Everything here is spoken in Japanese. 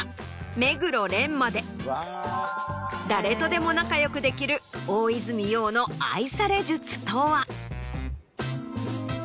目黒蓮まで誰とでも仲よくできる大泉洋の愛され術とは？